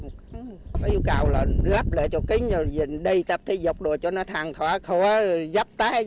có yêu cầu là lắp lệ cho kính rồi dình đi tập thi dục đồ cho nó thẳng khỏa khó dắp tái